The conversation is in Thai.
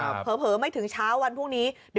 จริงเพราะว่าตอนแรก